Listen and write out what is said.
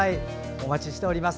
お待ちしております。